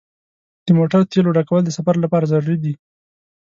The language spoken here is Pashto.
د موټر تیلو ډکول د سفر لپاره ضروري دي.